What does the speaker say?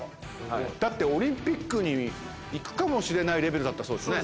だってオリンピックに行くかもしれないレベルだったそうですね。